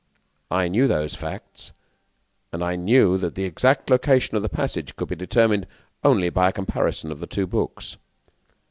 I knew those facts, and I knew that the exact location of the passage could be determined only by a comparison of the two books.